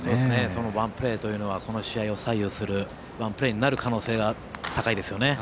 そのワンプレーはこの試合を左右するワンプレーになる可能性が高いですよね。